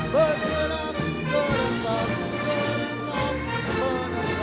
pemenangan peleg dan pilpres dua ribu dua puluh empat